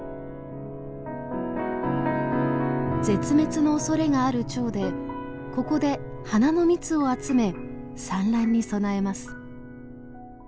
絶滅のおそれがあるチョウでここで花の蜜を集め産卵に備えます。